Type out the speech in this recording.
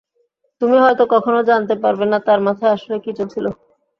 তুমি হয়ত কখনও জানতে পারবে না তার মাথায় আসলে কী চলছিল।